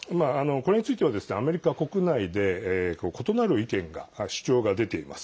これについてはアメリカ国内で異なる主張が出ています。